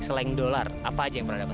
selain dolar apa aja yang pernah dapat